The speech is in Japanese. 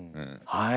はい！